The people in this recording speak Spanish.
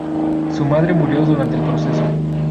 Su madre murió durante el proceso.